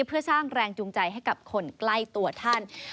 เพื่อสร้างแรงจูงใจให้กับคนใกล้ตัวท่าน